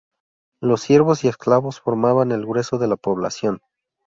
Los siervos y esclavos formaban el grueso de la población.